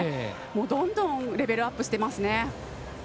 どんどんレベルアップしてますね。